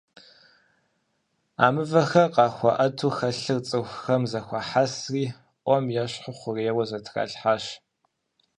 А мывэхэм къахуэӀэту хэлъыр цӀыхухэм зэхуахьэсри, Ӏуэм ещхьу хъурейуэ зэтралъхьащ.